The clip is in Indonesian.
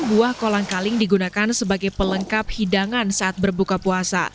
buah kolang kaling digunakan sebagai pelengkap hidangan saat berbuka puasa